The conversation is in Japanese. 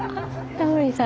・タモリさん。